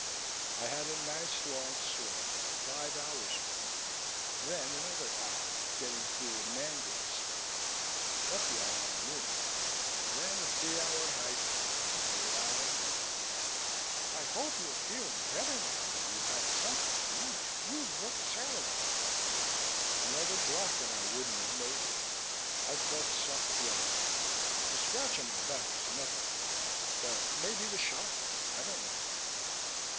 "I had a nice long swim: five hours' worth. Then another hour getting through a mangrove swamp. Lucky I had a moon. Then a three hour hike ... and here I am." "I hope you're feeling better now that you've had something to eat. You looked terrible." "Another block and I wouldn't have made it. I felt sucked dry. The scratch on my back is nothing, but maybe the shock ... I don't know."